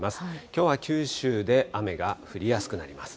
きょうは九州で雨が降りやすくなります。